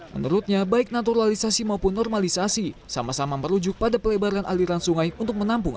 menurutnya baik naturalisasi maupun normalisasi sama sama merujuk pada pelebaran aliran sungai untuk menampung